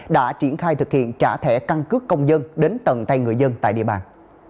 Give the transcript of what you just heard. đã triển khai thực hiện trả thẻ căn cước công dân đến tầng tay người dân tại địa bàn